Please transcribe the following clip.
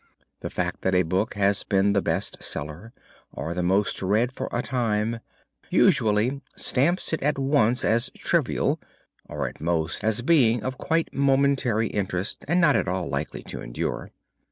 The fact that a book has been the best seller, or the most read for a time, usually stamps it at once as trivial or at most as being of quite momentary interest and not at all likely to endure.